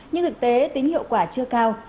nhưng thực tế tính hiệu quả chưa cao